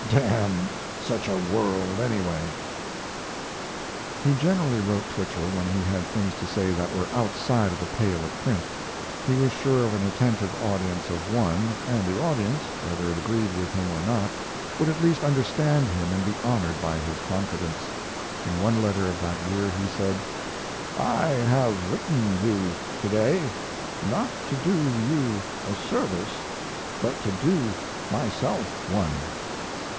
Damn such a world anyway. He generally wrote Twichell when he had things to say that were outside of the pale of print. He was sure of an attentive audience of one, and the audience, whether it agreed with him or not, would at least understand him and be honored by his confidence. In one letter of that year he said: I have written you to day, not to do you a service, but to do myself one.